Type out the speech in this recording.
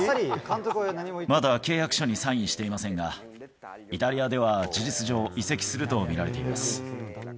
まだ契約書にサインしていませんが、イタリアでは事実上、移籍すると見られています。